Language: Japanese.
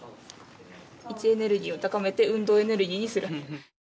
位置エネルギーを高めて運動エネルギーにする。